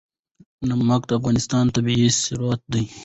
نمک د افغانستان طبعي ثروت دی.